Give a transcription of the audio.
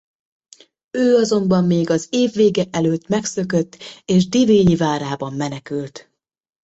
Ő azonban még az év vége előtt megszökött és divényi várába menekült.